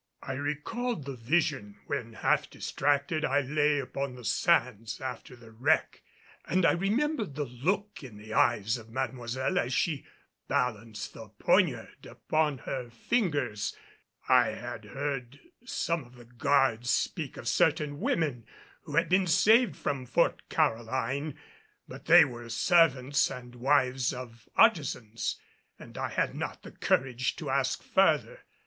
I recalled the vision when half distracted I lay upon the sands after the wreck, and I remembered the look in the eyes of Mademoiselle as she balanced the poniard upon her fingers. I had heard some of the guards speak of certain women who had been saved from Fort Caroline, but they were servants and wives of artisans, and I had not the courage to ask further.